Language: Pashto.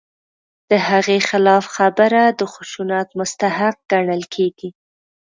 د هغې خلاف خبره د خشونت مستحق ګڼل کېږي.